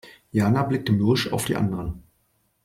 Jana blickte mürrisch auf die anderen.